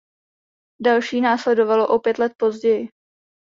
Další následovalo o pět let později.